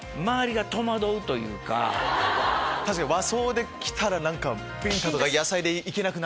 確かに和装で来たらビンタとか野菜でいけなくなる。